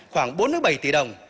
khoảng bốn bảy trăm linh tỷ đồng